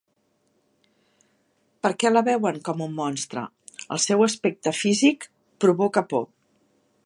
Per què la veuen com un monstre? El seu aspecte físic provoca por.